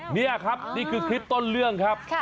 นี่ครับนี่คือคลิปต้นเรื่องครับ